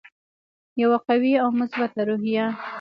یوه قوي او مثبته روحیه.